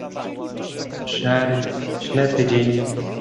"Szary, ślepy dzień."